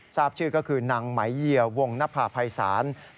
ทราบชื่อก็คือนางไหมเยียวงนภาพภัยศาล